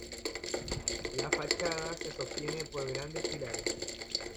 La fachada se sostiene por grandes pilares.